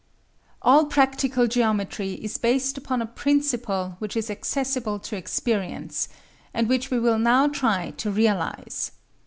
All practical geometry is based upon a principle which is accessible to experience, and which we will now try to realise.